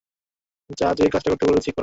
যা, যে কাজটা করতে বলেছি কর।